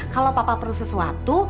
kalau papa perlu sesuatu